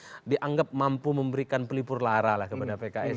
jumlah pemain daerah yang dianggap mampu memberikan pelipur lara lah kepada pks